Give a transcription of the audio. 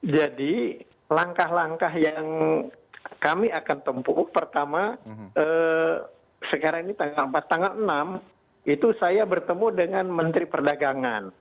jadi langkah langkah yang kami akan tempuh pertama sekarang ini tanggal empat tanggal enam itu saya bertemu dengan menteri perdagangan